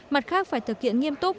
mặt khác phải thực hiện nghiêm túc